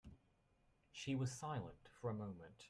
She was silent for a moment.